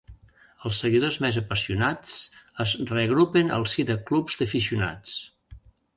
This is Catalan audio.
Els seguidors més apassionats es reagrupen al si de clubs d'aficionats.